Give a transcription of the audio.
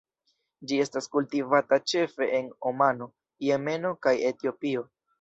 Ĝi estas kultivata ĉefe en Omano, Jemeno kaj Etiopio.